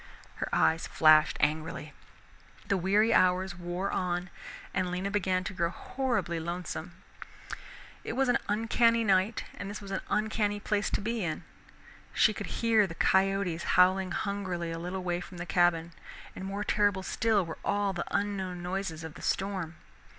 Her eyes flashed angrily. The weary hours wore on and Lena began to grow horribly lonesome. It was an uncanny night and this was an uncanny place to be in. She could hear the coyotes howling hungrily a little way from the cabin, and more terrible still were all the unknown noises of the storm.